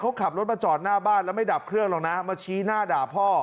เขาขับรถมาจอดหน้าบ้านแล้วไม่ดับเครื่องหรอกนะมาชี้หน้าด่าพ่อ